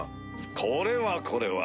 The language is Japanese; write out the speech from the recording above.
これはこれは。